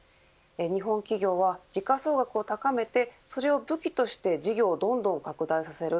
日本企業は、時価総額を高めてそれを武器として事業をどんどん拡大させる。